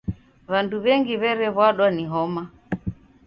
W'andu w'engi w'erew'adwa ni homa.